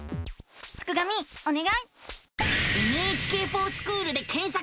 すくがミおねがい！